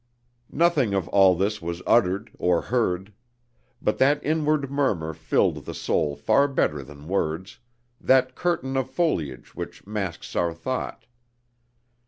Nothing of all this was uttered or heard. But that inward murmur filled the soul far better than words, that curtain of foliage which masks our thought.